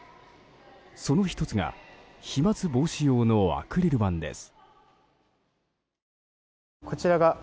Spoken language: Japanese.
その１つが、飛沫防止用のアクリル板です。